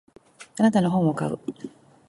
あなたの本を買う。